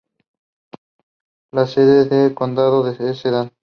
La sede de condado es Sedan.